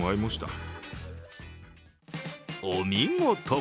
お見事。